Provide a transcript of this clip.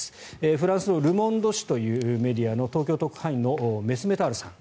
フランスのルモンド紙というメディアの東京特派員のメスメールさん。